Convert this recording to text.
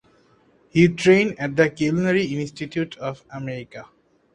He trained at the Culinary Institute of America.